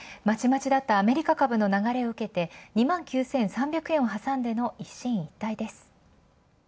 まちまちだったアメリカ株の流れを受けて２万９３００円を挟んでの一進一退です。